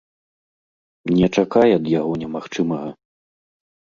Не чакай ад яго немагчымага.